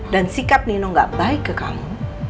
dan sikap nino gak baik ke kamu